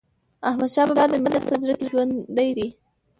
احمدشاه بابا د ملت په زړه کي ژوندی دی.